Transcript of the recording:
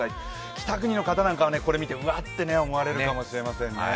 北国の方なんかはこれを見てうわっと思う方もいるかもしれませんね。